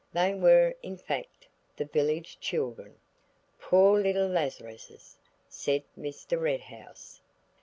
They were, in fact, the village children. "Poor little Lazaruses!" said Mr. Red House.